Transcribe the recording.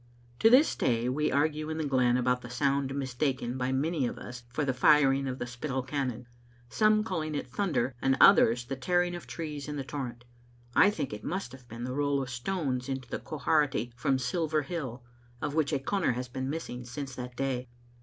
To this day we argue in the glen about the sound mistaken by many of us for the firing of the Spittal cannon, some calling it thunder and others the tearing of trees in the torrent. I think it must have been the • roll of stones into the Quharity from Silver Hill, of which a comer has been missing since that day.